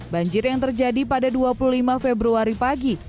banjir yang terjadi pada dua puluh lima februari pagi